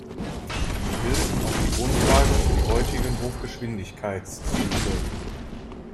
Sie bildeten auch die Grundlage für die heutigen Hochgeschwindigkeitszüge.